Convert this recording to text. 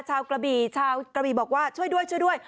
กระบี่ชาวกระบี่บอกว่าช่วยด้วยช่วยด้วย